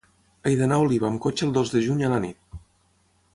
He d'anar a Oliva amb cotxe el dos de juny a la nit.